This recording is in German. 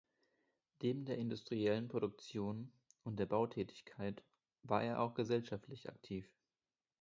Neben der industriellen Produktion und der Bautätigkeit war er auch gesellschaftlich aktiv.